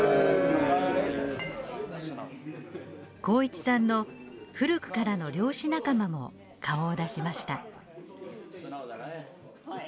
幸一さんの古くからの漁師仲間も顔を出しました。